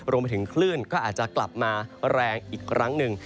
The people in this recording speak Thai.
รวมไปถึงคลื่นก็อาจจะกลับมาแรงอีกครั้งหนึ่ง